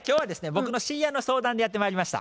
僕の知り合いの相談でやってまいりました。